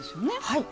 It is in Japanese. はい。